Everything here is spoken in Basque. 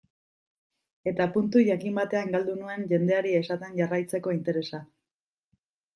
Eta puntu jakin batean galdu nuen jendeari esaten jarraitzeko interesa.